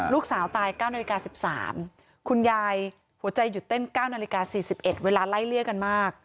ลูกสาวตาย๙นาฬิกา๑๓คุณยายหัวใจหยุดเต้น๙นาฬิกา๔๑เวลาไล่เลี่ยกันมาก